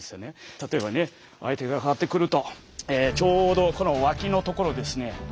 例えばね相手がかかってくるとちょうどこの脇のところをですね